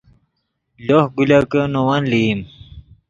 لوہ گولکے نے ون لئیم